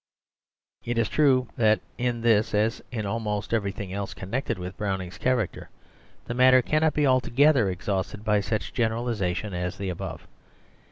It is true that in this, as in almost everything else connected with Browning's character, the matter cannot be altogether exhausted by such a generalisation as the above.